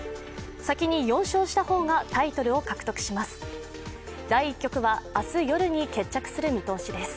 先に４勝した方がタイトルを獲得します。